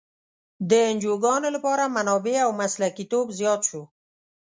د انجوګانو لپاره منابع او مسلکیتوب زیات شو.